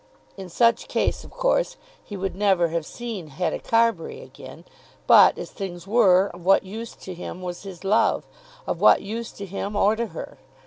In such case of course he would never have seen Hetta Carbury again; but, as things were, of what use to him was his love, of what use to him or to her?